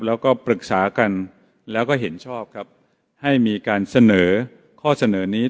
แล้วก็ปรึกษากันแล้วก็เห็นชอบครับให้มีการเสนอข้อเสนอนี้